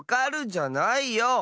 じゃないよ！